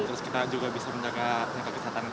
terus kita juga bisa menjaga kesehatan